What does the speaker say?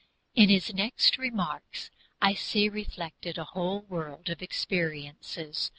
In his next remarks I see reflected a whole world of experiences.